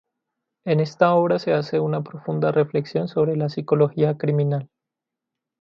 En esta obra se hace una profunda reflexión sobre la psicología criminal.